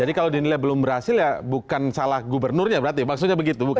jadi kalau dinilai belum berhasil ya bukan salah gubernurnya berarti maksudnya begitu bukan